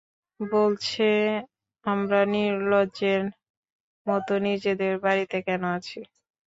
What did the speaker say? বলছে, আমরা নির্লজ্জের মতো নিজেদের বাড়িতে কেন আছি!